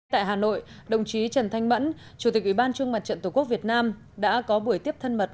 tại hà nội đồng chí trần thanh mẫn chủ tịch ủy ban trung mặt trận tổ quốc việt nam đã có buổi tiếp thân mật